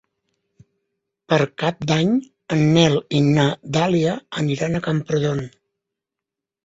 Per Cap d'Any en Nel i na Dàlia aniran a Camprodon.